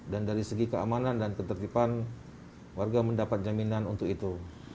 dan dari segi keamanan dan ketertiban warga mendapat jaminan untuk itu